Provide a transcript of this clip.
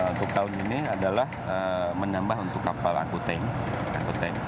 untuk tahun ini adalah menambah untuk kapal angkutan